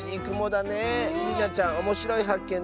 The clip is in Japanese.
りなちゃんおもしろいはっけん